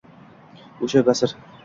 O’sha basir